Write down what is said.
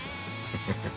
フフフ。